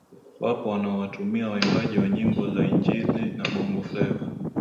wapo wanaowatumia waimbaji wa nyimbo za injili na bongo fleva